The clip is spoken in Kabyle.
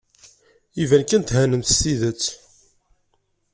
Iban kan thennamt s tidet.